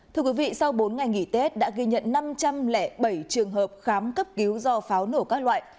thưa quý vị sau bốn ngày nghỉ tết đã ghi nhận năm trăm linh bảy trường hợp khám cấp cứu do pháo nổ các loại